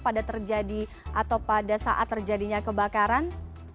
pada terjadi atau pada saat terjadinya kebakaran